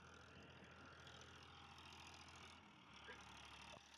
Mendizorrotzeko kiroldegia Gasteizko kiroldegi handiena da.